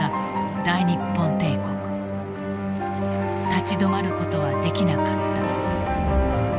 立ち止まることはできなかった。